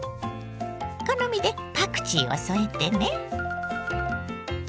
好みでパクチーを添えてね。